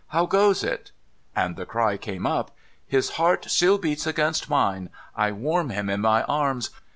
How goes it ?' And the cry came up :' His heart still beats against mine. I warm him in my arms.